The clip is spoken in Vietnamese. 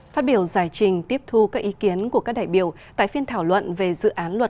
phát biểu giải trình tiếp thu các ý kiến của các đại biểu tại phiên thảo luận về dự án luật